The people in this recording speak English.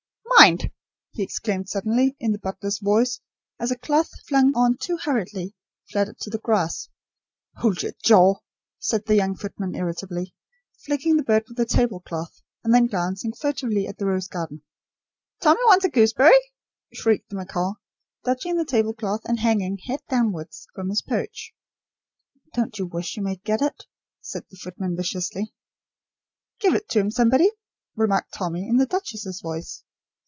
"Mind!" he exclaimed suddenly, in the butler's voice, as a cloth, flung on too hurriedly, fluttered to the grass. "Hold your jaw!" said the young footman irritably, flicking the bird with the table cloth, and then glancing furtively at the rose garden. "Tommy wants a gooseberry!" shrieked the macaw, dodging the table cloth and hanging, head downwards, from his perch. "Don't you wish you may get it?" said the footman viciously. "Give it him, somebody," remarked Tommy, in the duchess's voice.